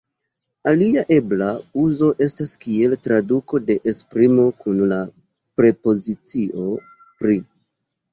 Alia ebla uzo estas kiel traduko de esprimo kun la prepozicio "pri".